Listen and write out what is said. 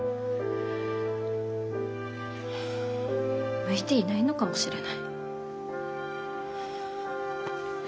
向いていないのかもしれない。